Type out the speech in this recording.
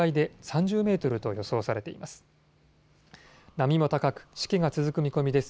波も高くしけが続く見込みです。